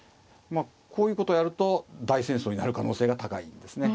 こういうことをやると大戦争になる可能性が高いですね。